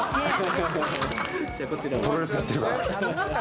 プロレスやってるから。